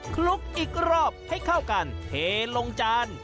คลุกอีกรอบให้เข้ากันเทลงจาน